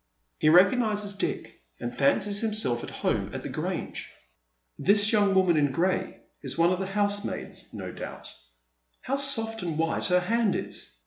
He recognises Dick, and fancies himself at home at the Grange. This young woman in gray is one of the housemaids, no doubt. How soft and wliite her hand is